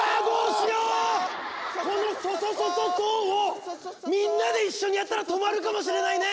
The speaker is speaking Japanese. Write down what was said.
この「ソソソソソ」をみんなで一緒にやったら止まるかもしれないね！